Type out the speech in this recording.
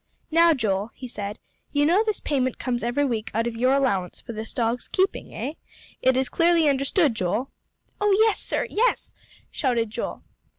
"Now, Joel," he said, "you know this payment comes every week out of your allowance for this dog's keeping, eh? It is clearly understood, Joel?" "Oh, yes, sir yes!" shouted Joel.